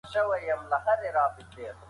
خپل کاروبار مې په نوي فکر پیل کړ.